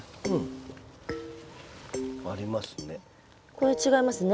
これ違いますね。